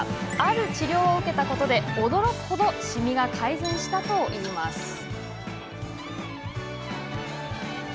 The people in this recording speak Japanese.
ある治療を受けたことで驚くほどシミが改善したといいます。